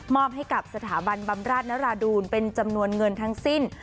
ให้กับสถาบันบำราชนราดูลเป็นจำนวนเงินทั้งสิ้น